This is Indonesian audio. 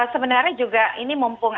sebenarnya juga ini mumpung